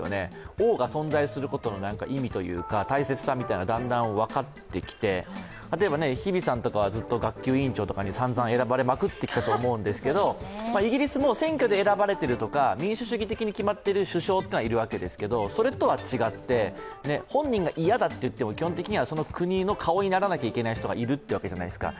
王が存在することの意味というか、大切さみたいなのがだんだん分かってきて例えば日比さんはずっと学級委員長とかに散々選ばれまくってきたと思うんですけど、イギリスも選挙で選ばれているとか民主主義的に決まっている首相というのはいるわけですけどそれとは違って、本人が嫌だと言っても基本的にはその国の顔にならなきゃいけない人がいるわけじゃないですか。